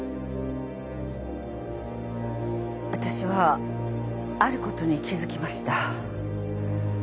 私はあることに気付きました。